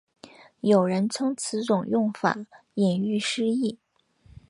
有人称此种用法引喻失义。